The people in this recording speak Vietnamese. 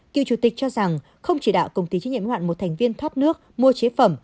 cựu chủ tịch cho rằng không chỉ đạo công ty trách nhiệm ưu hạn một thành viên thắt nước mua chế phẩm